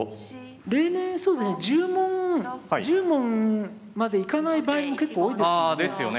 例年そうですね１０問までいかない場合も結構多いですからね。ですよね。